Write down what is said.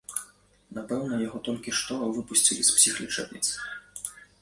Напэўна, яго толькі што выпусцілі з псіхлячэбніцы.